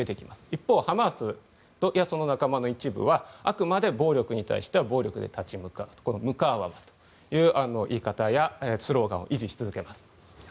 一方、ハマスやその中も一部はあくまで暴力に対しては暴力に立ち向かうムカーワマという言い方やスローガンを維持し続けます。